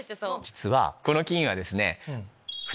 実はこの菌はですね。